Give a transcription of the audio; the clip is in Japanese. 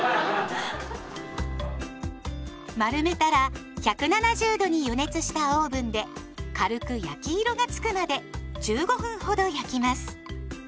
丸めたら１７０度に予熱したオーブンで軽く焼き色がつくまで１５分ほど焼きます。